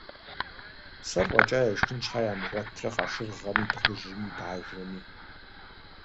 Сэр фӀэкӀа яшхын щхьэ ямыгъуэтрэ къашыргъэми, дыгъужьми, бажэми?